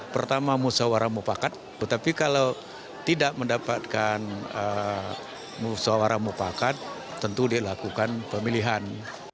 pertama musawarah mupakat tapi kalau tidak mendapatkan musawarah mupakat tentu dilakukan pemilihan